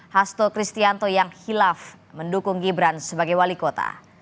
hasto kristianto yang hilaf mendukung gibran sebagai wali kota